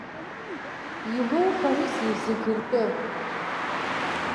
Илоуҳәарызеи зегьы ртәы!